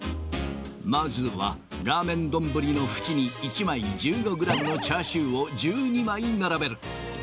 まずは、ラーメン丼のふちに１枚１５グラムのチャーシューを１２枚並べる。